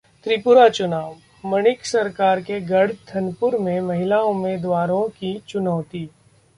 त्रिपुरा चुनाव: माणिक सरकार के गढ़ धनपुर में महिला उम्मीदवारों की चुनौती